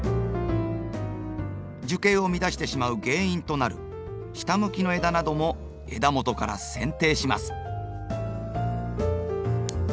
樹形を乱してしまう原因となる下向きの枝なども枝元からせん定します。